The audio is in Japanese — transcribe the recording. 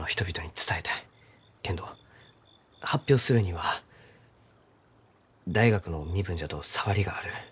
けんど発表するには大学の身分じゃと障りがある。